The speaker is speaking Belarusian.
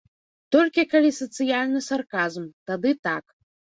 Толькі калі сацыяльны сарказм, тады так!